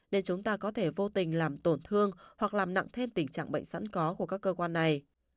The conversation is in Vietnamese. để chúng ta có thể vô tình làm tổn thương hoặc làm nặng thêm tình trạng bệnh sẵn có của các cơ quan này